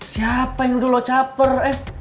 siapa yang nuduh lo caper